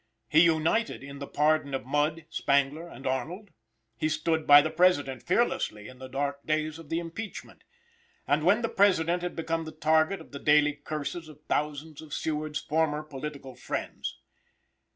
He united in the pardon of Mudd, Spangler and Arnold. He stood by the President fearlessly in the dark days of the impeachment, and when the President had become the target of the daily curses of thousands of Seward's former political friends.